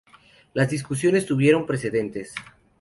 Las discusiones tuvieron precedentes.